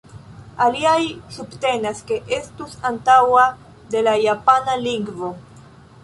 Aliaj subtenas ke estus antaŭa de la japana lingvo.